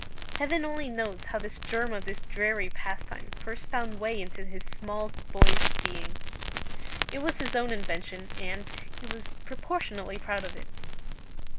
Heaven only knows how the germ of this dreary pastime first found way into his small boyish being. It was his own invention, and he was proportionately proud of it.